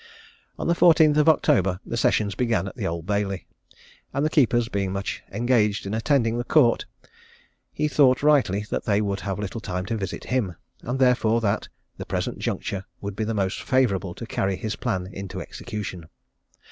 On the fourteenth of October, the sessions began at the Old Bailey, and the keepers being much engaged in attending the Court, he thought rightly, that they would have little time to visit him, and, therefore, that, the present juncture would be the most favourable to carry his plan into execution.